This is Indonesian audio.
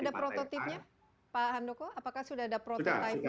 ini ada prototipnya pak handoko apakah sudah ada prototipnya